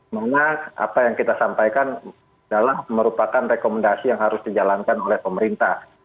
mana apa yang kita sampaikan adalah merupakan rekomendasi yang harus dijalankan oleh pemerintah